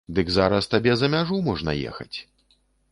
Дык зараз табе за мяжу можна ехаць!